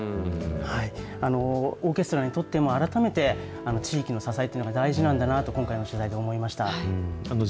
オーケストラにとっても、改めて、地域の支えっていうのが大事なんだなと今回の取材で思いました。